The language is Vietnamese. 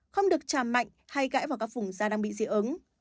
không được trà mạnh hay gãi vào các vùng da đang bị dị ứng